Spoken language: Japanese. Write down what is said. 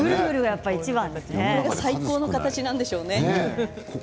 最高の形なんでしょうね。